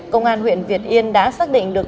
công an huyện việt yên đã xác định được